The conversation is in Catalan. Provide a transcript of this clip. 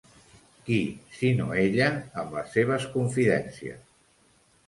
Qui, sinó ella, amb les seves confidències